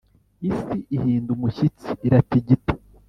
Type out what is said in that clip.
isi ihinda umushyitsi, iratigita.